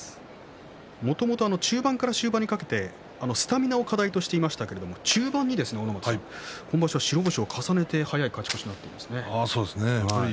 もともと中盤から終盤にかけてスタミナを課題としていましたが中盤に白星を重ねて早い勝ち越しなりましたね。